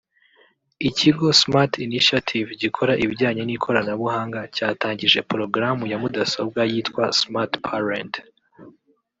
Ikigo “Smart Initiative”gikora ibijyanye n’ikoranabuhanga cyatangije porogaramu ya mudasobwa yitwa ’Smart Parent’